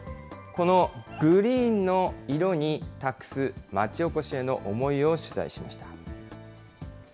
このグリーンの色に託す町おこしへの思いを取材しました。